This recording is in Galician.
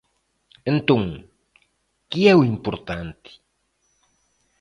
Entón, ¿que é o importante?